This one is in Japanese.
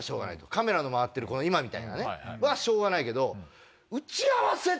カメラの回ってるこの今みたいなね。はしょうがないけど。